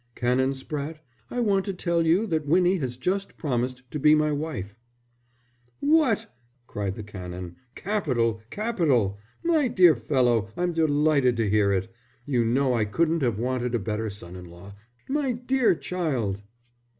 "Canon Spratte, I want to tell you that Winnie has just promised to be my wife." "What!" cried the Canon. "Capital! Capital! My dear fellow, I'm delighted to hear it. You know I couldn't have wanted a better son in law. My dear child!"